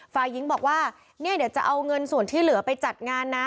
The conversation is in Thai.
ฝ่ายหญิงบอกว่าเนี่ยเดี๋ยวจะเอาเงินส่วนที่เหลือไปจัดงานนะ